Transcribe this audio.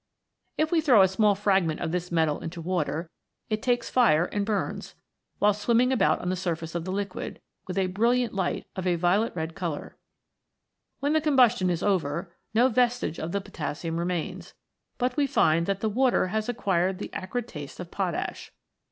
If we throw a small fragment of this metal into water, it takes fire and burns, while swimming about on the surface of the liquid, with a brilliant light of a violet red colour. When the combustion is over, no vestige of the potassium remains, but we find that the water has acqiiired the acrid taste of potash.